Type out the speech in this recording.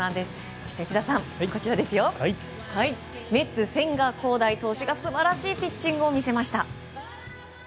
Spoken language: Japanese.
そして、メッツ千賀滉大投手が素晴らしいピッチングを見せました。